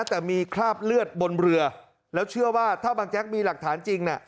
แต่มีคราบเลือดบนเรือแล้วเชื่อว่าถ้าบางแจ๊กมีหลักฐานจริงน่ะ